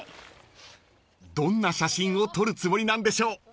［どんな写真を撮るつもりなんでしょう］